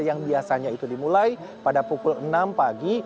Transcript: yang biasanya itu dimulai pada pukul enam pagi